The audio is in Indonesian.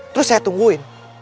terus saya tungguin